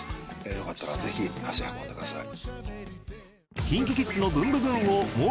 よかったらぜひ足を運んでください。